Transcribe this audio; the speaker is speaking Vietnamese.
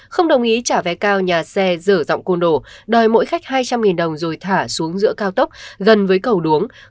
không đồng ý trả vé cao nhà xe dở giọng côn đồ đòi mỗi khách hai trăm linh đồng rồi thả xuống giữa cao tốc gần với cầu đuống